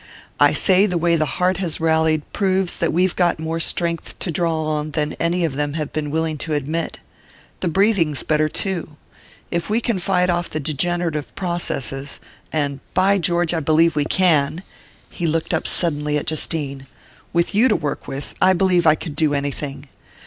"I say the way the heart has rallied proves that we've got more strength to draw on than any of them have been willing to admit. The breathing's better too. If we can fight off the degenerative processes and, by George, I believe we can!" He looked up suddenly at Justine. "With you to work with, I believe I could do anything.